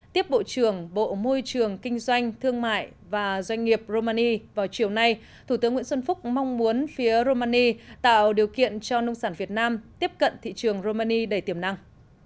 tiếp bộ trưởng bộ môi trường kinh doanh thương mại và doanh nghiệp romani vào chiều nay thủ tướng nguyễn xuân phúc mong muốn phía romani tạo điều kiện cho nông sản việt nam tiếp cận thị trường romani đầy tiềm năng